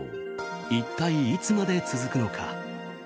一体いつまで続くのか。